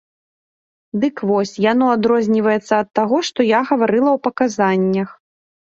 Дык вось, яно адрозніваецца ад таго, што я гаварыла ў паказаннях.